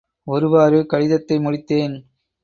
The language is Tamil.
ஒருவாறு கடிதத்தை முடித்தேன்.